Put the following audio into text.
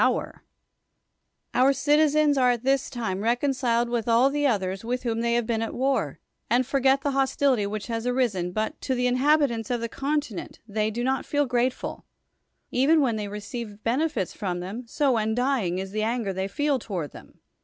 94 ISOCRATES Our citizens are at this time reconciled with all the others "svilh whom ilu y have been at war, and foriiet the liostility wliich has arisen, hnit to the inhabitants of tlie continent they do not feel grateful, even when they receive benefits ffrivu them], so undying is th.e anger they feel toward them.